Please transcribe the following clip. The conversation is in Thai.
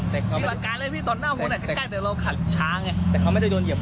ถ้าเกิดว่ากลับหวากคันหนึ่งอ่ะเอามาน่ะจะโดยเหยียบนะ